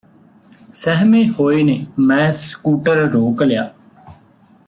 ਸਹਿਮੇ ਹੋਏ ਨੇ ਮੈਂ ਸਕੂਟਰ ਰੋਕ ਲਿਆ